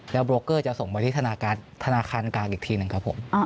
แล้วโบรกเกอร์จะส่งมาที่ธนาคารกลางอีกทีหนึ่งครับผม